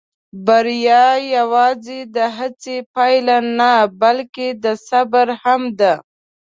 بریا یواځې د هڅې پایله نه، بلکې د صبر هم ده.